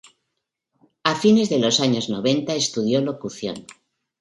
A fines de los años noventa estudió locución.